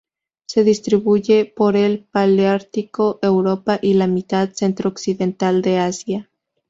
Se distribuye por el paleártico: Europa y la mitad centro-occidental de Asia.